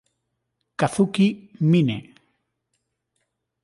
Kazuki Mine